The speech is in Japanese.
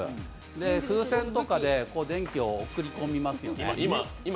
風船とかで電気を送り込みますよね。